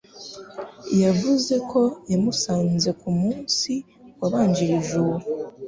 Yavuze ko yamusanze ku munsi wabanjirije uwo.